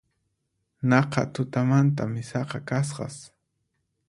Naqha tutamanta misaqa kasqas